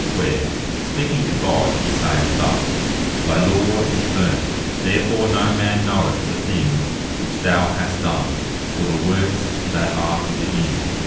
where speaking to God, he saith thus, "Thy law is burnt; therefore no man knoweth the things which thou has done, or the works that are to begin.